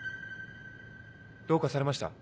どうかされました？